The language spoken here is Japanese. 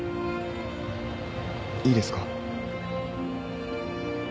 いいですか？